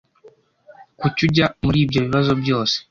kuki ujya muri ibyo bibazo byose